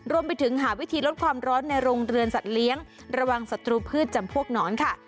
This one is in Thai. รวมไปถึงหาวิธีลดความร้อนในโรงเรือนสัตว์เลี้ยงระวังศัตรูพืชจำพวกหนอนค่ะ